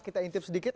kita intip sedikit